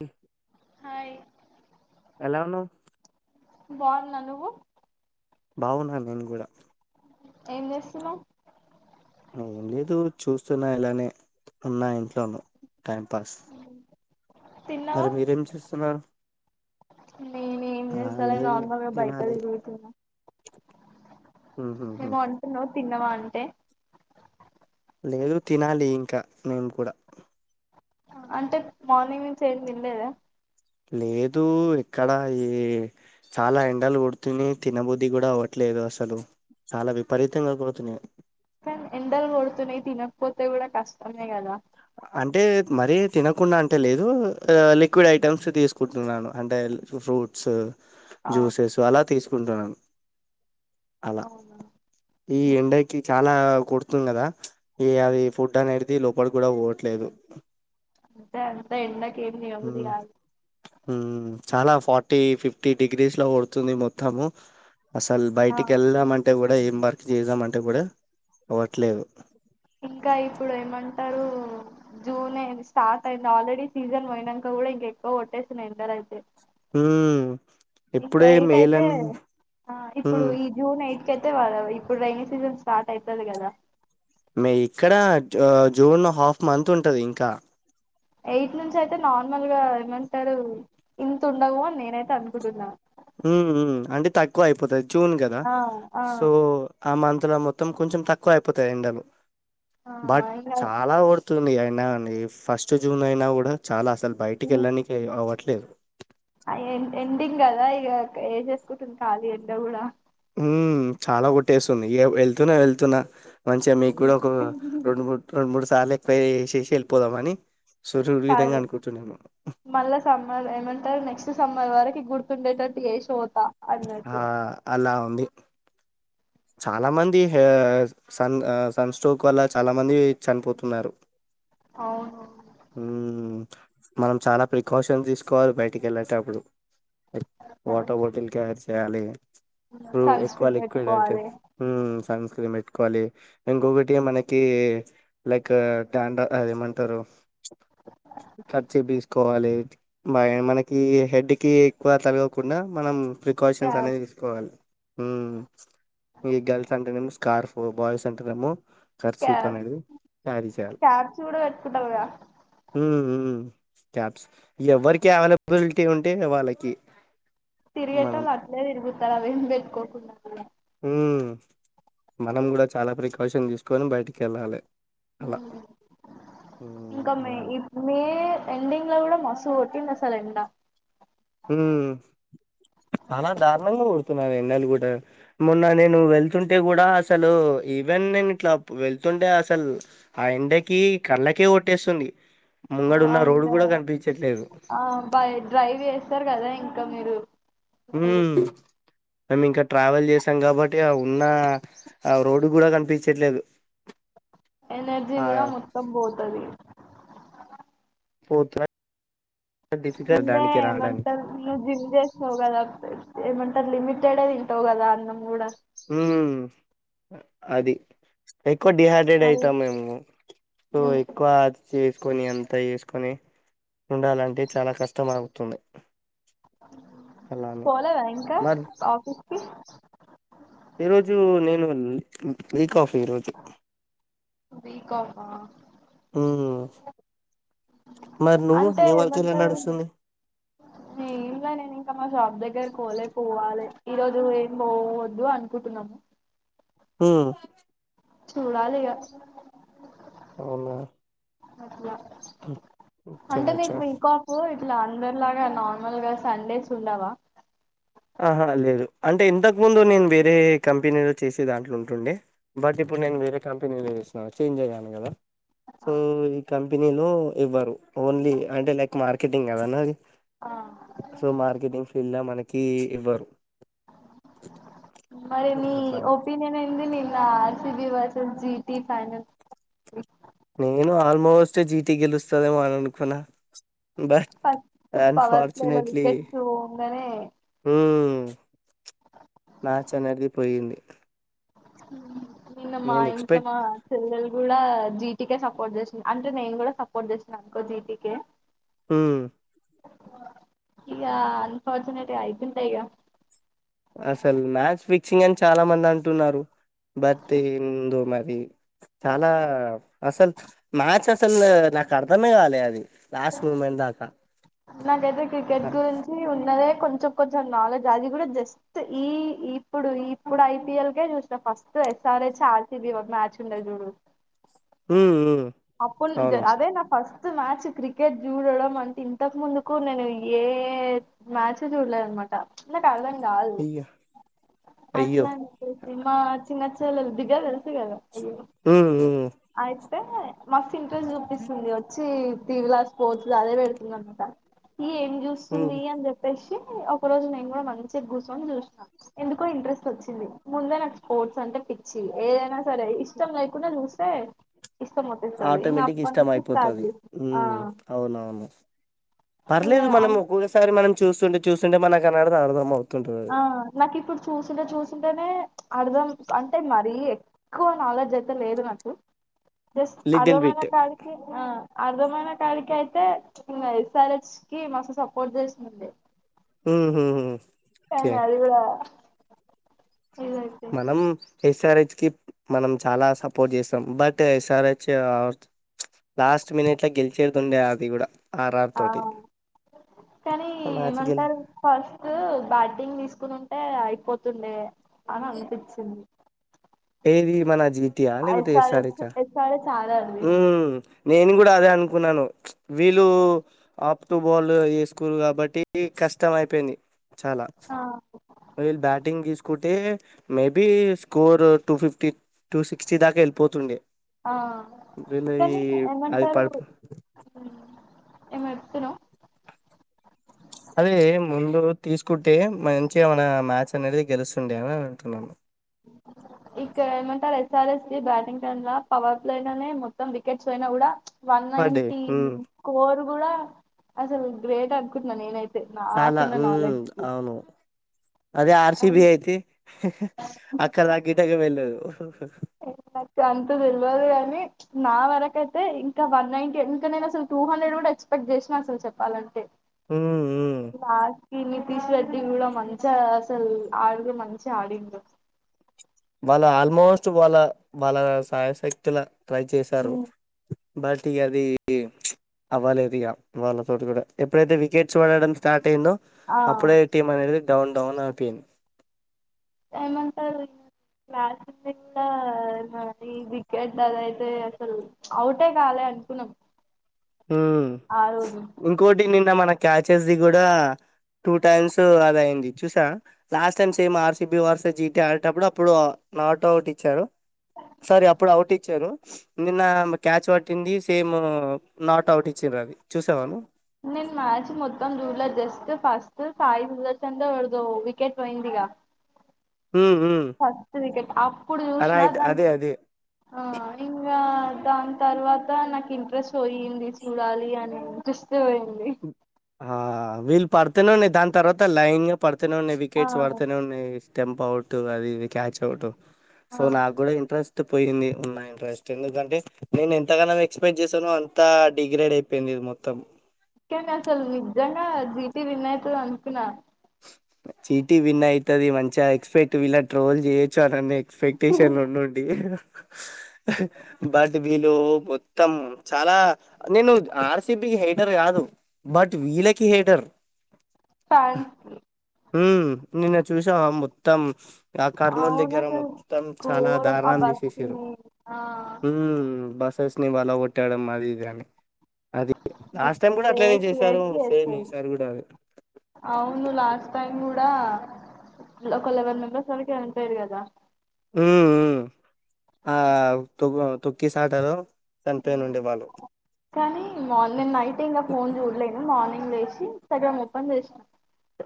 హ హాయ్ ఎలా ఉన్నావు బాగున్న నువ్వు బావున్నాను నేను కూడా ఏం చేస్తున్నావ్ లేదు చూస్తున్నా ఇలానే ఉన్నా ఇంట్లోనూ టైంపాస్ తిన్నావా మరి మీరేం చూస్తున్నారు నేను ఏం చేస్తల నార్మల్గా బయట తినాలి తిరుగుతున్న ఉహుహు ఏమో అంటున్నావ్ తిన్నావా అంటే లేదు తినాలి ఇంకా నేను కూడా అంటే మార్నింగ్ నుంచి ఏం తినలేదా లేదు ఇక్కడ ఈ చాలా ఎండలు కొడుతున్నాయి, తినబుద్ధి కూడా అవ్వట్లేదు. అసలు చాలా విపరీతంగా పోతున్నాయి. కానీ ఎండలు కొడుతున్నాయి, తినకపోతే కూడా కష్టమే కదా. అంటే మరీ తినకుండా అంటే లేదు లిక్విడ్ ఐటమ్స్ తీసుకుంటున్నాను. అంటే ఫ్రూట్స్ ఆ జ్యూసెస్ అల తీసు కుండన్ అలా అవునా ఈ ఎండకి చా లా కోడుతుంది. కదా ఇగ అది ఫుడ్ అనేది లోపలి కూడా పోవట్లేదు అంతే అంతే ఎండకి ఎమ్ తినబుద్ధి ఉమ్ కాదు. ఉమ్ చాలా ఫార్టీ ఫిఫ్టీ డిగ్రీస్లో కోడుతుంది. మొత్తము అసల్ ఆ, బయటికి వెళ్దాం అంటే కూడా ఏం వర్క్ చేద్దాం అంటే కూడా అవ్వట్లేదు అంటారు జూన్ నెల్ స్టార్ట్ అయింది ఆల్రెడీ సీజన్ పోయినంకా కూడా ఇంక ఎక్కువ కొట్టేస్తున్నాయి. ఎండాలు అయితే హు ఇంకా ఎయిట్ అయితే ఆ ఇప్పుడు ఉమ్ ఈ జూన్ ఎయి [unintelligible] ఇప్పుడు రేణి సీజన్ స్టార్ట్ అయితది గదా మే ఇక్కడ జూన్ హాఫ్ మంత్ ఉంటది ఇంకా ఎయిట్ నుంచి అయితే నార్మల్ గా ఏమంటారూ ఇంతుండవు అని నేనైతే అనుకుంటున్నా హ్ హ్ అంటే తక్కువ అయిపోతది జూన్ కదా ఆ ఆ సో ఆ మంత్ లో మొత్తం కొంచెం తక్కువ అయిపోతాయి ఎండలు ఆ బట్ ఇంకా చాలా కొడుతుంది నో అండి ఫస్ట్ జూన్ అయినా కూడా చాలా ఆస్ ల్ బయటికి ఉమ్, వెళ్ళనికే అవ్వట్లే లేదు ఆ ఎం ఎండింగ్ గదా ఇగా ఏసేసుకుంటుంది ఖాళీ ఎండ కూడా హూమ్ చాలా కొట్టేస్తుంది ఇగ వెళ్తున్నా వెళ్తున్నా మంచిగా మీకు కూడా ఉమ్. ఒక రెండు మూడు రెండు మూడు సార్లు ఏ [unintelligible] ఏసేసి వెళ్ళిపోదామని సుదృఢంగా కాదూ అనుకుంటున్నాను మళ్ళా సమ్మర్ ఏమంటారు నెక్స్ట్ సమ్మర్ వరకి గుర్తుండేటట్టు చేసి పో ఆ అలా ఉంది చాలా మంది సన్ సన్ స్ట్రోక్ వల్ల చాలా మంది చనిపోతున్నారు. అవును హ్మ్ మనం చాలా ప్రికాషన్ తీసుకోవాలి బయటికి వెళ్ళేటప్పుడు వాటర్ బాటిల్ క్యారీ చేయాలి ప్పుడు సన్ ఎక్కువ స్క్రీన్ లిక్విడ్ అంటే పెట్టుకోవాలి హ్ సన్ స్క్రీన్ పెట్టు కోవాలి ఇంకొకటి మనకి లైక్ ట్యాండా అదేమంటారు కర్చీఫ్ తీసుకోవాలి మనకి హెడ్, కి ఎక్కువ తలగకుండా మనం, ప్రికాషన్స్ క్యాబ్ అనేవి తీసుకోవాలి, హు ఈ గర్ల్స్ అంటేనే స్కార్ఫ్ బాయ్స్ అంటేనేమో, కర్చిపు క్యాబ్ అనేది క్యారీ చేయాలి క్యాప్స్ కూడా పెట్టుకుంటారు కదా హు హు క్యాప్స్ ఎవరికి అవైలబిలిటీ ఉంటే వాళ్ళకి, తిరిగే మనం టోళ్లు అట్లే తిగుతారు అవి ఏం పెట్టుకోకుండా, ఉ మనం కూడా చాలా ప్రికాషన్ తీసుకొని బయటికి వెళ్ళాలే, ఉమ్, ఇంకా మే అలా మే ఎండింగ్ లో కూడా మస్తు, మస్తు కొట్టిందా అసలు ఎండా, హ్మ్ నా ఎండలు కూడా మొన్న నేను వెళ్తుంటే కూడా, అసలు ఈవెన్. నేను ఇట్లా వెళ్తుంటే అసలు ఆ ఎండకి కళ్ళకే కొట్టేస్తుంది, ముంగడున్న అండ్ రోడ్డు గూడా కనిపించట్లేదు బై డ్రైవ్ చేసు చేస్తారు కదా ఇంకా మీరు, హు అసలు మేము ఇంకా ట్రావెల్ చేసాం కాబట్టి ఉన్న రోడ్ కూడా కనిపించట్లేదు, ఎనర్జీ ఆ కూడా మొత్తం పోతాది, పోత ముందే ఎమంటారు ను జిమ్ చేస్త కదా, ఏమంటారు లిమిటెడె తింటావు కదా అన్నం కూడా, హు అది, ఎక్కువ డిహైడ్రేట్ మళ్ళీ అయితాం మేము సో ఎక్కువ అది చే కని అంత చేసుకొని ఉండాలంటే చాలా కష్టమగుతుంది, పోలేదా ఇంకా మరి ఆఫీస్ కి ఈ రోజు నేను వీక్ ఆఫ్, ఈరోజు వీక్ అఫ్ హ, మరి నువ్వు అంటే నీ వర్క్ ఎలా ఏమంట నడుస్తుంది నే ఇంగా నేను ఇంకా మా షాప్ దగ్గరకి పోలే పోవాలే, ఈ రోజు ఏం పోవద్దు అనుకుంటున్నాము, హు చూడాలిగా అవునా అట్లా అచ్చా అంటే మీకు అచ్చా వీక్ అఫ్ ఇట్లా అందరిలాగా అ నార్మల్ గా సండేస్ ఉండవా, ఆహా లేదు అంటే ఇంతకుముందు. నేను వేరే కంపెనీలో చేసే దాంట్లో ఉంటుండే. బట్ ఇప్పుడు నేను వేరే కంపెనీలో చేసినాను. చేంజ్ అయ్యాను కదా, సో విల్ కం [unintelligible] లో ఇవ్వారు ఓన్లీ అంటే లైక్ మార్కెటింగ్ కాద నాది ఆ సో మార్కెటింగ్ ఫీడ్ల మనక్ కి ఇవ్వరు మరి నీ అట్లాని ఒపీనియన్ ఏంది నిన్న సుజి వాట్సాప్ జీటి ఫైనల్ నేను ఆల్మోస్ట్ జీటి గెలుస్తదేమో అన్నానుకున్నా బట్ ఫస్ట్ పవర్ ప్లే లో అన్ఫార్చునేట్లీ వికెట్స్ పోంగనే ప్చ్ మ్యాచ్ అనేర్ది పోయింది హ్మ్ నిన్న మా నేను ఇంట్లో ఎక్స్పెక్ట్ మా చెల్లెలు కూడా జీటికే సపోర్ట్ జెస్నా అంటే నేను కూడా సపోర్ట్ జెస్నా అనుకో జీటికే హ్మ్ ఈగా అన్ఫార్చునేట్ అయిపోయిందిలే ఇక అసలు మ్యాచ్ ఫిక్సింగ్ అని చాలా మంది అంటున్నారు బర్త్ ఏందో మరి చాలా అసలు మ్యాచ్ అసలు నాకు అర్థమే కాలే అది లాస్ట్ మూమెంట్ దాకా నాకైతే క్రికెట్ గురించి ఉన్నదే కొంచెం కొంచెం నాలెడ్జ్ అది కూడా జస్ట్ ఈ ఇప్పుడు ఇప్పుడు ఐపిఎల్కే చూస్నా ఫస్ట్ ఎస్ఆర్ హెచ్ ఆర్సిబి ఒక మ్యాచ్ ఉండదిచూడు ఉమ్ ఉమ్ అప్పుల్ అవును అదే నా ఫస్ట్ మ్యాచ్ క్రికెట్ జూడడం అంటే ఇన్ ఇంతకు ముందుకు నేను ఏ మ్యాచ్ చూడలేద్నమాట ప్చ్ నాక్ [unintelligible] [unintelligible] అయ్యో అయ్యో అట్లా అని జెప్పేసి మా చిన్న పోలేదు బీగల్ తెలుసు కాద హ్మ్ హ్మ్ మస్తు ఇంట్రెస్ట్ చూపిస్తుంది వచ్చి టీవ్లాస్ కోచ్చు అదే పెడుతుందన్నా త ఏం ఉమ్ చూస్తుంది అని చెప్పేసి ఒక రోజు నేను కూడా మంచిగా కూర్చొని చూసాను ఎందుకో ఇంట్రెస్ట్ వచ్చింది ముందే నాకు స్పోర్ట్స్ అంటే పిచ్చి ఏదైనా సరే ఇష్టం లేకుండా జూస్ సేయ్ ఆటోమేటిక్ ఇష్టం అయిపోతాది చేసి ఆ హ్మ్ అవునవును ఇగ పర్లేదు మనం అన్ ఒక్కొక్కసారి మనం చూస్తుంటే చూసింటే మనకు [inaudible] అర్థమవుతు ఆ నాకు ఇప్పుడు చూసింటే చూసింటేనే అర్థం అంటే మరీ ఎక్కువ నాలెడ్జ్ అయితే లేదు నాకు జస్ట్ లిటిల్ అర్ధమైన బిట్ కాడికి అర్ధమైన కాడికి అయితే ఎస్ఆర్చ్ కి మస్తు సపోర్ట్ చేసుండే హు హు కానీ అది కూడా ఇదయిపోయింది మనం ఎస్ఆర్ హెచ్ మనం చాలా సపోర్ట్ చేస్తాం but SRH last minute లో గెలిచేదుండే అది కూడా ఆర్ఆర్ ఆ తోటి కానీ మ్యాచ్ గెల్ ఏమంటారు ఫస్ట్ టు బ్యాటింగ్ తీసుకొనుంటే అయిపోతుండే అని అనిపించింది ఇది మన జి తి ఆ లేదా ఎస్ఆర్ ఎస్ఆర్హెచ్ హెచ్ ఆ ఎస్ఆర్హెచ్ ఆడాలి ఓ నేను కూడా అదే అనుకున్నాను వీళ్ళు అప్ టు బాల్ ఏసుకుర్రు కాబట్టి కష్టం అయిపోయింది చాలా ఆ ఒవేళ బ్యాటింగ్ తీసుకుం టే maybe score two fifty two sixty దాకా వెళ్ళిపోతుండే ఆ వీళ్లది కానీ అది ఏమంటారు పడుపు ఏమో చెప్తున్నావ్ అదే ముందు తీసుకుంటే మంచిగేమన మ్యాచ్ అనేది గెలుస్తుండే అని అంటున్నాము ఇక్కడ ఏమంటారు ఎస్ఆర్ఎచ్ కి బ్యాటింగ్ టైమ్లా పవర్ ప్లేలోనే మొత్తం వికెట్స్ పోయినా కూడా పడ్డే వన్నైన్టీ హ్మ్ స్కోర్ కూడా అసలు గ్రేట్ అనుకుంటున్నా నేనుతే చాలా ఉమ్ అవును అదే ఆర్సీబి అయితే అక్కడ దాక గిటగా వెళ్ళేదు ే [unintelligible] నాకు అంత తెలియదు కానీ నా వరకయితే ఇంకా వన్ నైంటీ ఇంకా నేను అసలు టూ హండ్రెడ్ కూడా ఎక్స్పెక్ట్ చేసినా అసలు చెప్పాలంటే ఉమ్ ఉమ్ ఈ నితీష్ రెడ్డి కూడా మంచిగా అసలు ఆడితే మంచిగా ఆడిండు వాళ్ళ ఆల్మోస్ట్ వాళ్ళ వాళ్ళ సాయశక్తుల ట్రై చేశారు బట్ ఇక అది అవ్వలేదు ఇక వాళ్ళతోటి కూడా ఎప్పుడైతే వికెట్స్ పడడం స్టాట్ ండో ఆ అప్పుడే టీం అనేది డౌన్ డౌన్ అయిపోయింది ఏమంటారు లాస్ట్ [inaudible] ఈ వికెట్ అద అయితే అసలు ఔటే కాలే అనుకున్నాం హ్మ్ ఆ రోజు ఇంకోటి నిన్న మన క్యాచస్ ది కూడా టూ టైమ్స్ అది అయింది చూసా last time same RCB versus GT ఆడేటప్పుడు అప్పుడు నాట్ అవుట్ ఇచ్చారు సారీ అప్పుడు అవుట్ ఇచ్చారు నిన్న క్యాచ్ పట్టింది సేమ్ నాట్ అవుట్ ఇచ్చిండ్రు అది చూసావా నువ్వు నేను మ్యాచ్ మొత్తం చూడలేదు జస్ ఫస్ట్ సాయి ఎవరితో వికెట్ పోయింది గా హ్మ్ హ్మ్ ఆ అరే అయితే అదే అదే ఆ ఇంగా దాని తర్వాత నాకు ఇంట్రెస్ట్ పోయింది చూడాలి అనే ఇంట్రెస్ట్ పోయింది ఆ వీళ్ళు పడుతునే ఉన్నాయ్ దాని తర్వాత లైన్ గా పడు తూనే ఉన్నాయి ఆ వికెట్స్ వాడుతనే ఉన్నాయ్ టెంపౌటు అవి ఇవి క్యాచ్ అవుటు సో ఆ నాకు కూడా ఇంట్రెస్ స్ట్ పోయింది ఉన్న ఇంట్రెస్ట్ ఎందుకంటే నేను ఎంతగనం ఎక్స్పెక్ట్ చేసానో అంత డిగ్రేడ్ అయిపోయింది ఇది మొత్తం కెండ్ అసలు నిజ్ నిజంగా జీ టి విన్ తు అనుకున్నా చీ టీ విన్న అయితది మంచిగా ఎక్స్పెక్ట్ ఇలా ట్రోల్ చేయొచ్చు సడన్ ఎక్స్పెక్టేషన్ ఉండుండి బట్ వీల్ మొత్తం చాలా నేను ఆర్ సి బి కి హేటర్ కాదు బట్ వీళకి హేటర్ ఫన్సు హ్మ్ నిన్న చూసావ మొత్తం ఆ కర్నూలు అవును దగ్గర అసలు మొత్తం చాలా ఘోరం ఆ దారుణం చేసేసిర్రు బస్సుని ఆ హ్మ్ బస్సెస్ ని బలా కొట్టడం అది ఇది అని అది లాస్ట్ టైమ్ మొత్తం కూడా అట్లనే వేస్ట్ చేశారు వేస్ట్ సేమ్ చేస్తారు ఈసారి కూడా అది అవును లాస్ట్ టైం కూడా ఒక లెవెన్ నెంబర్స్ వరికి వెళ్లిపోఇర్రు కదా హ్మ్ హ్మ్ ఆ తొవ్వ తొక్కిసాటలో చనిపోయినుండే వాళ్ళు కానీ మార్నింగ్ నైట్ ఇంకా ఫోన్ చూడలేను మార్నింగ్ చేసి సగం ఓపెన్ చేసిన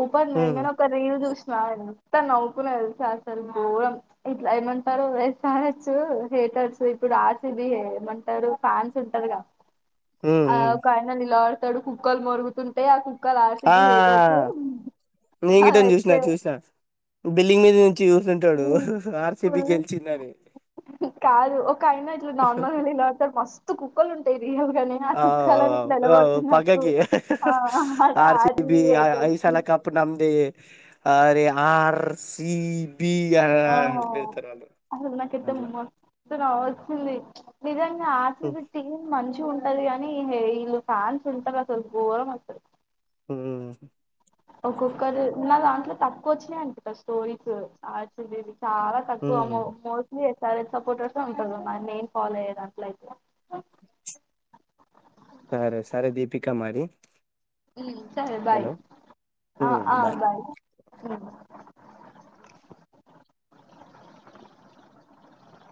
ఓపెన్ ఉమ్ చెయంగానే ఒక రీల్ చూసినా నేను ఇంత నవ్వుకుని చేస్తారు మూరం ఇట్లా ఏమంటారు [unintelligible] ఇప్పుడు ఆర్సిబి ఏమ టారు ఫ్యాన్స్ ఉంటారుగా ఉమ్ ఆ ఉమ్ [unintelligible] [unintelligible] కుక్కలు మరుగుతుంటే ఆ కు క్లాస్ ఆ పీకేటట్టు అదే బిల్లింగ్ మీద చూస్తుంటాడు ఆర్సిబి గెలిచిందని కాదు ఒక అయినా ఇట్లా నార్మల్గా [unintelligible] మస్తు కుక్కలు ఉంటాయి రియల్ గానే ఆ కుక్కలుని ఇట్లా ఎలా పడుతున్నట్టు ఆ ఆర్ సి బి ఆర్సిబి ఇగ హేటర్స్ ఇసాలా కప్పు మందే అరే ఆర్ సి బి ఆ వెళ్తారు అట్లా చిందు నీజాంగా ఆర్ సి ఉమ్ బి టీమ్ మంచిగా ఉ సరే గానీ ఇల్లు ఫ్యాన్స్ ఉంటార అసలు గోరం అసలు మ్మ్ ఒక్కొక్కరు నా దాంట్లో తక్కువ వచ్చినాయింట స్టోరీస్ ఆర్ సి బి వి చాలా తక్కువ మో ఉమ్. మోస్ట్లీ చాలా సపోర్టర్స్ ఉంటుంది మరి నేను ఫాలో అయ్యేదంట్లో అయితే సరే సరే దీపికా మరి ఇ సరే బాయ్ హలో ఆ ఆ బాయ్ అ